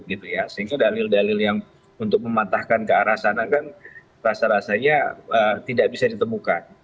sehingga dalil dalil yang untuk mematahkan ke arah sana kan rasa rasanya tidak bisa ditemukan